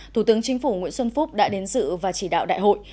thủ tướng chính phủ nguyễn xuân phúc đã đến dự và chỉ đạo đại hội